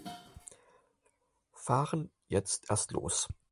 Fahren jetzt erst los.